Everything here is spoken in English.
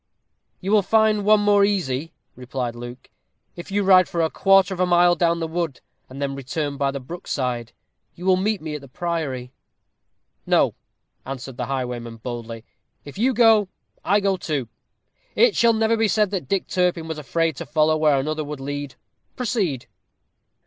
"You will find one more easy," replied Luke, "if you ride for a quarter of a mile down the wood, and then return by the brook side. You will meet me at the priory." "No," answered the highwayman, boldly; "if you go, I go too. It shall never be said that Dick Turpin was afraid to follow where another would lead. Proceed."